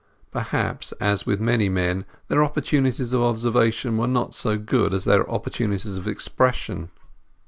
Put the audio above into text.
Perhaps, as with many men, their opportunities of observation were not so good as their opportunities of expression.